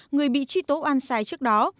người bị tri tố oan sai trước đó